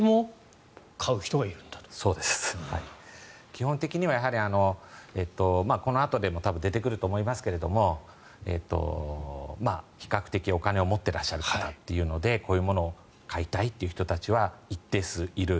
基本的には、このあとでも多分出てくると思いますが比較的お金を持っていらっしゃる方というのでこういうものを買いたいという人たちは、一定数いる。